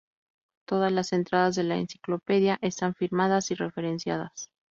Todas las entradas de la enciclopedia están firmadas y referenciadas.